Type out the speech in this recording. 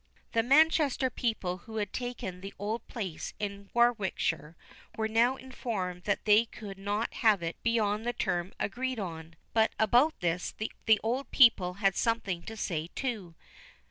The Manchester people who had taken the old place in Warwickshire were now informed that they could not have it beyond the term agreed on; but about this the old people had something to say, too.